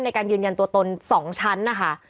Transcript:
ในการยืนยันตัวตน๒ชั้นนะคะ